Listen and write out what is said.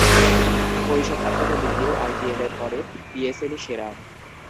পরিসংখ্যানগত দিক দিয়েও আইপিএলের পর পিএসএলই সেরা।